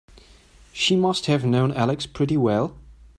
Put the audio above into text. She must have known Alex pretty well.